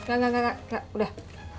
enggak enggak enggak udah